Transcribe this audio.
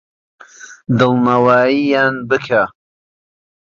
دڵنەوایییان بکە.